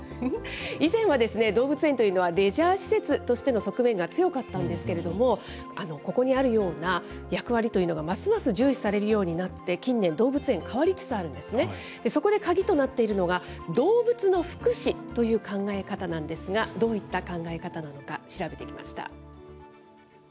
以前は動物園というのは、レジャー施設としての側面が強かったんですけれども、ここにあるような役割というのがますます重視されるようになって、近年、動物園、変わりつつあるんですね。そこで鍵となっているのが、動物の福祉という考え方なんですが、どういった考え方なのか、調べてきました。